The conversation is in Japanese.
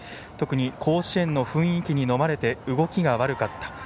特に甲子園の雰囲気にのまれて、動きが悪かった。